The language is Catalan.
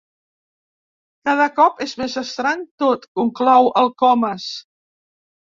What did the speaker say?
Cada cop és més estrany tot —conclou el Comas—.